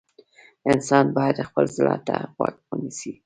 انسان باید خپل زړه ته غوږ ونیسي.